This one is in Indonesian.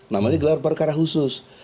namanya gelar perkara khusus